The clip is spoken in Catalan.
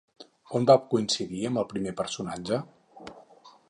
On va coincidir amb el primer personatge?